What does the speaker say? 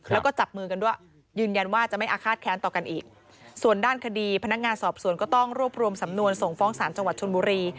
แล้วก็จับมือกันด้วยยืนยันว่าจะไม่อาฆาตแค้นต่อกันอีกส่วนด้านคดีพนักงานสอบสวนก็ต้องรวบรวมสำนวนส่งฟ้องศาลจังหวัดชนบุรี